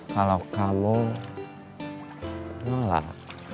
kalau kamu nolak